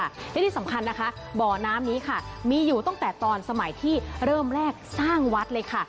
และที่สำคัญนะคะบ่อน้ำนี้ค่ะมีอยู่ตั้งแต่ตอนสมัยที่เริ่มแรกสร้างวัดเลยค่ะ